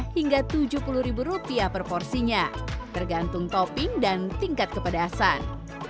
hingga tujuh puluh rupiah per porsinya tergantung topping dan tingkat kepedasan